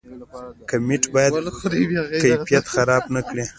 کمیت باید کیفیت خراب نکړي